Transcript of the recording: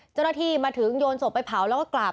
เจ้าหน้าที่มาถึงโยนศพไปเผาแล้วก็กราบ